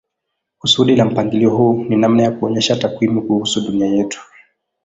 Kusudi la mpangilio huu ni namna ya kuonyesha takwimu kuhusu dunia yetu.